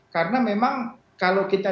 karena memang kalau kita